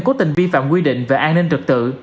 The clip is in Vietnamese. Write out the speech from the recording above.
cố tình vi phạm quy định về an ninh trật tự